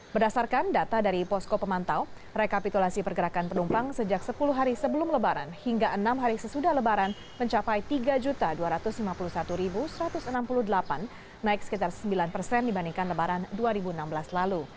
berdasarkan data dari posko pemantau rekapitulasi pergerakan penumpang sejak sepuluh hari sebelum lebaran hingga enam hari sesudah lebaran mencapai tiga dua ratus lima puluh satu satu ratus enam puluh delapan naik sekitar sembilan persen dibandingkan lebaran dua ribu enam belas lalu